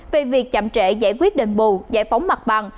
về việc chậm trễ giải quyết đền bù giải phóng mặt bằng